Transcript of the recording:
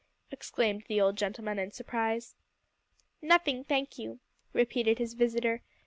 exclaimed the old gentleman in surprise. "Nothing, thank you," repeated his visitor.